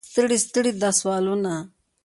ستړي ستړي دا سوالونه.